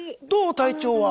体調は。